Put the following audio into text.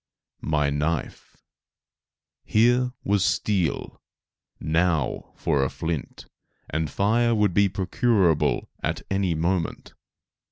My knife! Here was steel; now for a flint, and fire would be procurable at any moment.